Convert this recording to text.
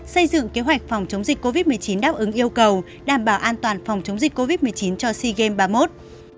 xây dựng kế hoạch phòng chống dịch covid một mươi chín đáp ứng yêu cầu đảm bảo an toàn phòng chống dịch covid một mươi chín cho sea games ba mươi một